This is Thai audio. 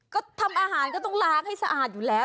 ก็ทำอาหารก็ต้องล้างให้สะอาดอยู่แล้ว